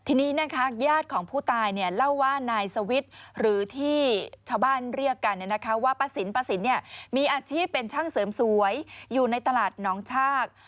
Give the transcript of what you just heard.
ที่นี้ยาตื่นของผู้ตายเล่าว่านายเส้วิตหรือที่ชาวบ้านเรียกกันเนี่ยนะคะว่าปะสินปะสินนี้มีอาชีพเป็นช่างเสิร์มสวยอยู่ในตลาดนองชาก